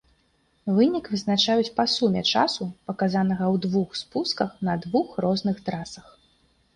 Вынік вызначаюць па суме часу, паказанага ў двух спусках на двух розных трасах.